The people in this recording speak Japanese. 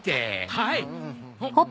はい。